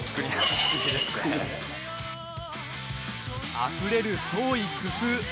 あふれる創意工夫。